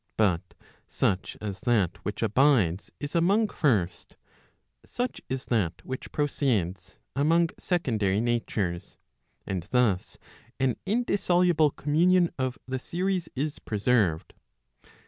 But such as that which abides is among first, such is that which proceeds, among secondary natures; and thus an indissoluble communion of the series is preserved.